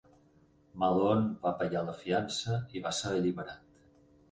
Malone va pagar la fiança i va ser alliberat.